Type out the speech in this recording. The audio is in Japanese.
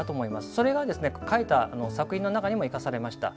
それが書いた作品の中にも生かされました。